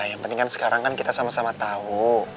yang penting kan sekarang kan kita sama sama tahu